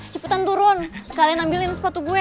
cepetan turun sekalian ambilin sepatu gue